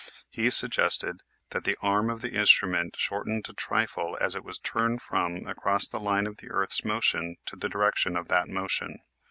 He suggested that the arm of the instrument shortened a trifle as it was turned from across the line of the earth's motion to the direc tion of that motion.